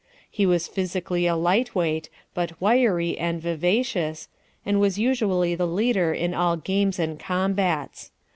He was physically a light weight, but wiry and vivacious, and was usually the leader in all games and combats.